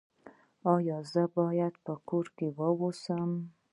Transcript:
ایا زه باید په کور کې اوسم؟